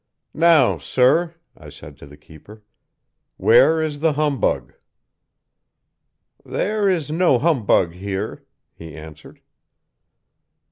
"'Now, Sir,' I said to the keeper, 'where is the humbug?' "'There is no humbug here,' he answered.